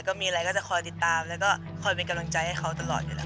ก็มีอะไรก็จะคอยติดตามแล้วก็คอยเป็นกำลังใจให้เขาตลอดอยู่แล้ว